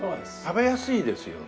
食べやすいですよね。